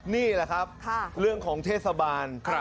นี่แหละครับค่ะเรื่องของเทศบาลครับ